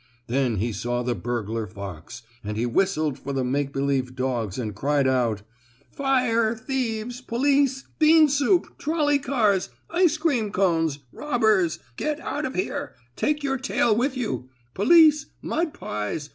Then he saw the burglar fox, and he whistled for the make believe dogs and cried out: "Fire! Thieves! Police! Bean soup! Trolley Cars! Ice cream cones! Robbers! Get out of here! Take your tail with you! Police! Mud pies!